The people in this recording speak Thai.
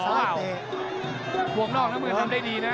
วงนอกน้ำเงินทำได้ดีนะ